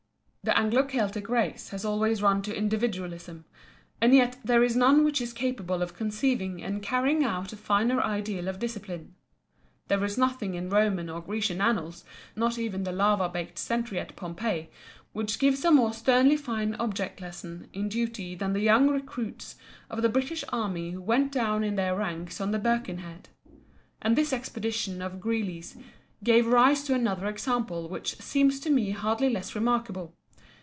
The Anglo Celtic race has always run to individualism, and yet there is none which is capable of conceiving and carrying out a finer ideal of discipline. There is nothing in Roman or Grecian annals, not even the lava baked sentry at Pompeii, which gives a more sternly fine object lesson in duty than the young recruits of the British army who went down in their ranks on the Birkenhead. And this expedition of Greely's gave rise to another example which seems to me hardly less remarkable.